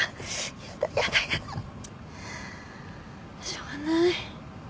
しょうがない。